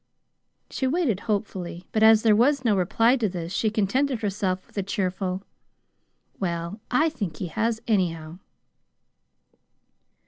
She waited hopefully, but as there was no reply to this, she contented herself with a cheerful: "Well, I think he has, anyhow."